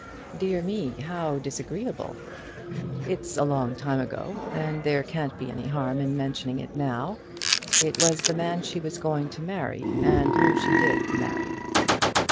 "Dear me, how disagreeable!" "It's a long time ago, and there can't be any harm in mentioning it now. It was the man she was going to marry, and whom she did marry."